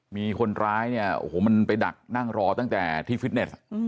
มีคนร้ายเนี่ยโอ้โหมันไปดักนั่งรอตั้งแต่ที่ฟิตเนส